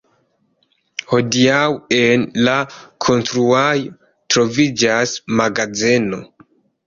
Hodiaŭ en la konstruaĵo troviĝas magazeno.